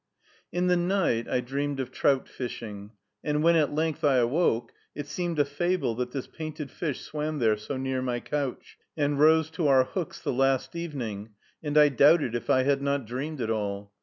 In the night I dreamed of trout fishing; and, when at length I awoke, it seemed a fable that this painted fish swam there so near my couch, and rose to our hooks the last evening, and I doubted if I had not dreamed it all.